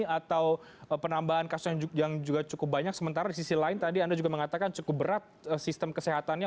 atau penambahan kasus yang juga cukup banyak sementara di sisi lain tadi anda juga mengatakan cukup berat sistem kesehatannya